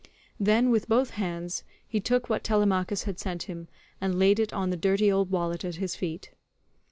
Then with both hands he took what Telemachus had sent him, and laid it on the dirty old wallet at his feet.